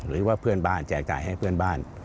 หรือว่าเพื่อนบ้านแจกจ่ายให้เพื่อนบ้าน